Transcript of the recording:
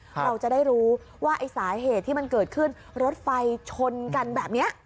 เราจะได้รู้ว่าไอ้สาเหตุที่มันเกิดขึ้นรถไฟชนกันแบบนี้